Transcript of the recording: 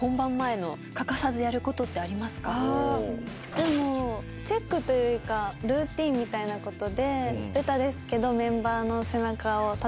でもチェックというかルーティンみたいなことでべたですけど。